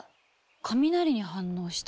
雷に反応した？